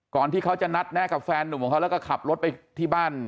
ที่เขาจะนัดแนะกับแฟนหนุ่มของเขาแล้วก็ขับรถไปที่บ้าน